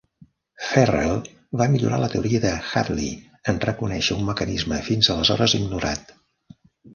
Ferrel va millorar la teoria de Hadley en reconèixer un mecanisme fins aleshores ignorat.